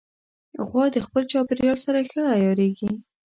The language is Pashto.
غوا د خپل چاپېریال سره ښه عیارېږي.